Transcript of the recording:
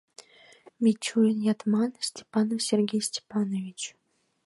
Мичурин-Ятман — Степанов Сергей Степанович.